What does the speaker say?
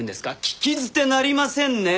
聞き捨てなりませんねえ。